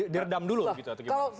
diredam dulu gitu atau gimana